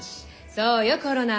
そうよコロナ。